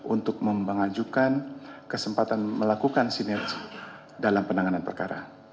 untuk mengajukan kesempatan melakukan sinergi dalam penanganan perkara